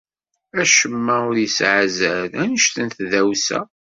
Acemma ur yesɛi azal anect n tdawsa.